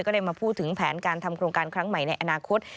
ได้มาพูดถึงแผนการทำโครงการครั้งใหม่ในอนาคต